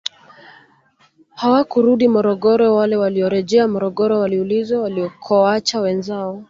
Hawakurudi Morogoro wale waliorejea Morogoro waliulizwa walikowaacha wenzao